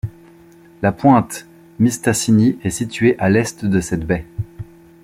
La Pointe Mistassini est située à l'est de cette baie.